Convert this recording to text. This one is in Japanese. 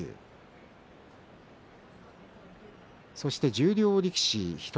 十両力士、１人